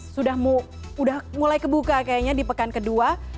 sudah mulai kebuka kayaknya di pekan kedua